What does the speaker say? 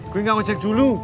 gue gak ngocek dulu